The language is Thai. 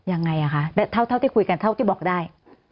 ยังไงอ่ะคะเท่าที่คุยกันเท่าที่บอกได้